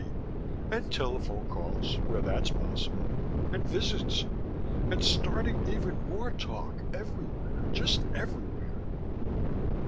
G.: And telephone calls, where that's possible. And visits. And starting even more talk everywhere. Just everywhere.